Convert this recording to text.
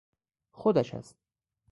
خودش است!